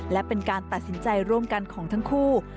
และเป็นการตัดสินใจร่วมกันของทั้งคู่